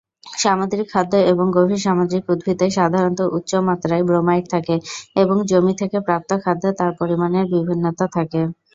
সামুদ্রিক খাদ্য এবং গভীর সামুদ্রিক উদ্ভিদে সাধারণত উচ্চ মাত্রায় ব্রোমাইড থাকে এবং জমি থেকে প্রাপ্ত খাদ্যে তার পরিমাণের বিভিন্নতা থাকে।